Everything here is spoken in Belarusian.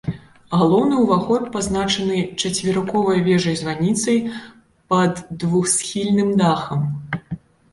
Галоўны ўваход пазначаны чацверыковай вежай-званіцай пад двухсхільным дахам.